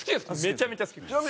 めちゃめちゃ好きです。